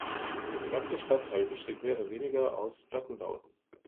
Der ganze Stadtteil besteht mehr oder weniger aus Plattenbauten.